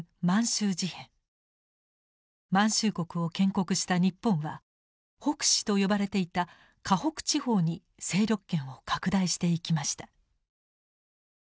満州国を建国した日本は北支と呼ばれていた華北地方に勢力圏を拡大していきました。